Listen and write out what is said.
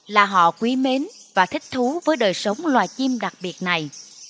là họ quý mến và thích thú với đời sống loài chim đặc biệt này